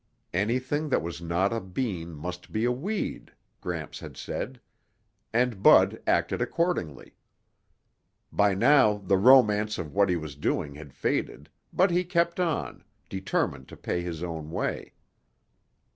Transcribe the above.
Anything that was not a bean must be a weed, Gramps had said, and Bud acted accordingly. By now the romance of what he was doing had faded, but he kept on, determined to pay his own way.